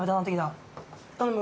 頼む？